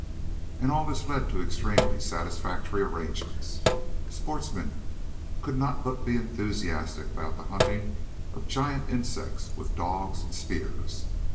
And all this led to extremely satisfactory arrangements. Sportsmen could not but be enthusiastic about the hunting of giant insects with dogs and spears.